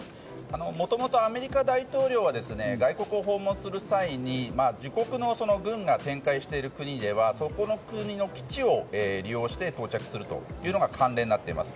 もともとアメリカ大統領は外国を訪問する際に自国の軍が展開している国ではそこの国の基地を利用して到着するのが慣例になっています。